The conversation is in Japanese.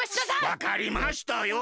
わかりましたよ。